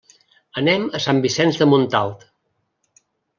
Anem a Sant Vicenç de Montalt.